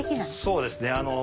そうですね。